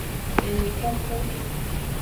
Elinkuku.